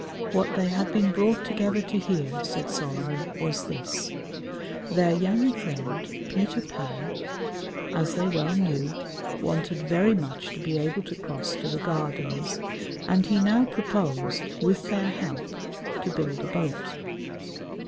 What they had been brought together to hear, said Solomon, was this: their young friend, Peter Pan, as they well knew, wanted very much to be able to cross to the Gardens, and he now proposed, with their help, to build a boat.